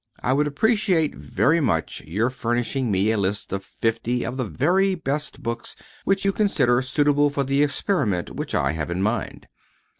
I would appreciate very much your furnishing me a list of fifty of the very best books which you consider suitable for the experiment which I have in mind.